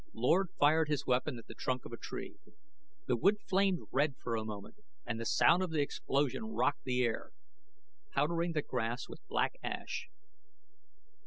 Lord fired his weapon at the trunk of a tree. The wood flamed red for a moment and the sound of the explosion rocked the air, powdering the grass with black ash.